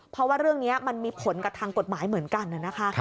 เพราะว่าเรื่องนี้มันมีผลกับทางกฎหมายเหมือนกันนะคะ